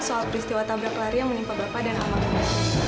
soal peristiwa tabrak lari yang menimpa bapak dan awaknya